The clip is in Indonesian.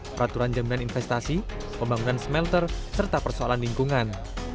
peraturan jaminan investasi pembangunan smelter serta persoalan lingkungan